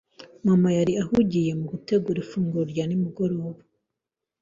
Mama yari ahugiye mu gutegura ifunguro rya nimugoroba.